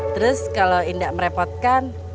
terus kalau indah merepotkan